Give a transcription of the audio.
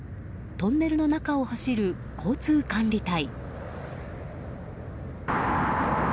トンネルの中を走る交通管理隊。